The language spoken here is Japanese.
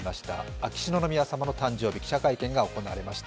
秋篠宮さまの誕生日、記者会見が行われました。